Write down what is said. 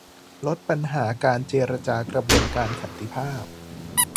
ลดปัญหาการเจรจากระบวนการสันติภาพ